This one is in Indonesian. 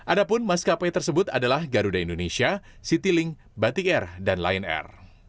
adapun maskapai tersebut adalah garuda indonesia citylink batik air dan lion air